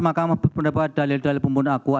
makamah berpendapat dalil dalil pembunuh akua